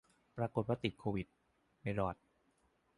ปรากฏว่าติดโควิด ไม่รอด